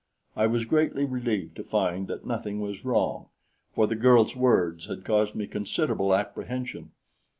I was greatly relieved to find that nothing was wrong, for the girl's words had caused me considerable apprehension.